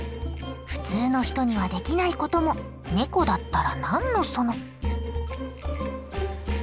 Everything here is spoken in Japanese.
普通の人にはできないこともネコだったら何のその。